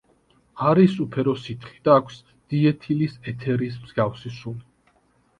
არის უფერო სითხე და აქვს დიეთილის ეთერის მსგავსი სუნი.